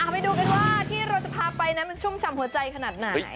ไปดูกันว่าที่เราจะพาไปนั้นมันชุ่มฉ่ำหัวใจขนาดไหน